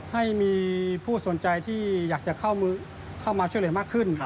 ให้มีผู้สนใจที่อยากจะเข้ามาช่วยเหลือมากขึ้น